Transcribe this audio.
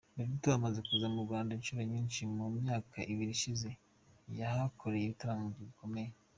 Roberto amaze kuza mu Rwanda inshuro nyinshi, mu myaka ibiri ishize yahakoreye ibitaramo bikomeye.